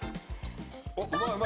ストップ！